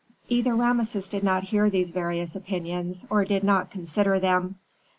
Either Rameses did not hear these various opinions, or did not consider them.